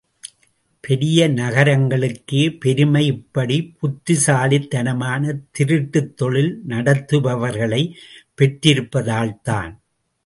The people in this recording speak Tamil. பெரிய நகரங்களுக்கே பெருமை இப்படி புத்திசாலித்தனமான திருட்டுத் தொழில் நடத்துபவர்களைப் பெற்றிருப்பதால்தான்.